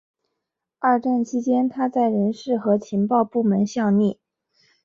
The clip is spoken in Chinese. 二战期间他在人事和情报部门效力。